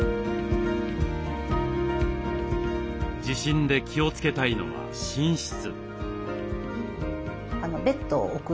地震で気をつけたいのは寝室。